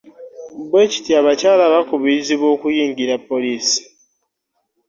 Bwe kityo abakyala bakubirizibwa okuyingira poliisi.